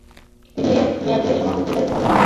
তিনি এক মেয়াদে সভাপতির দায়িত্বও পালন করেন।